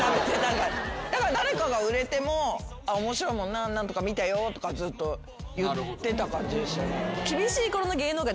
だから誰かが売れても面白いもんな何とか見たよとかずっと言ってた感じでしたね。